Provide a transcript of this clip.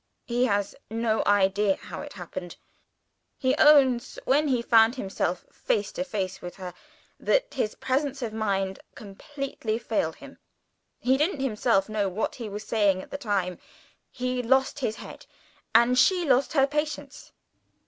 "He has no idea how it happened. He owns when he found himself face to face with her that his presence of mind completely failed him: he didn't himself know what he was saying at the time. He lost his head; and she lost her patience.